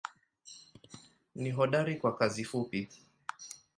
Ni hodari kwa kazi fupi.